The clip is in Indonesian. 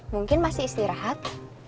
mungkin masih istirahat